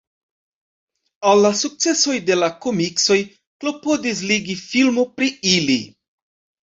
Al la sukcesoj de la komiksoj klopodis ligi filmo pri ili.